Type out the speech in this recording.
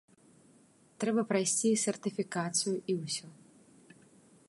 Трэба прайсці сертыфікацыю, і ўсё.